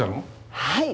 はい！